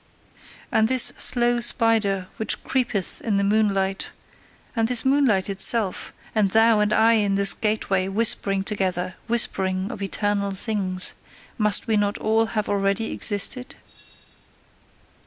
And this slow spider which creepeth in the moonlight, and this moonlight itself, and thou and I in this gateway whispering together, whispering of eternal things must we not all have already existed?